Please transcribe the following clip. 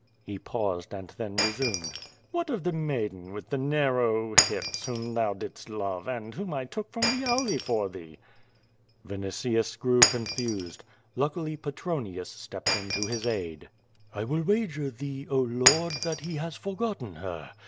He paused, and then resumed: "What of the maiden with the narrow hips whom thou didst love and whom 1 took from the Auli for thee?" Vinitius grew confused. Luckily Petronius stepped in to his aid. "I will wager thee, oh lord, that he has forgotten her.